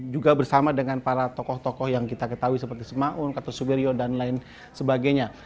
juga bersama dengan para tokoh tokoh yang kita ketahui seperti semaun kata subiryo dan lain sebagainya